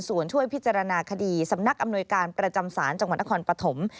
ส่วนช่วยพิจารณาคดีสำนักอำนวยการประจำศาลจังหวัดนครปฐม